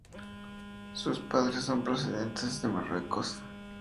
Sus padres son procedentes de Marruecos.